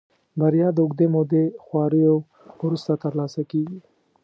بريا د اوږدې مودې خواريو وروسته ترلاسه کېږي.